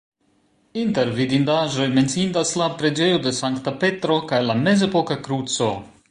Inter vidindaĵoj menciindas la preĝejo de Sankta Petro kaj la mezepoka kruco.